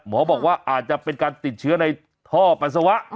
บอกว่าอาจจะเป็นการติดเชื้อในท่อปัสสาวะ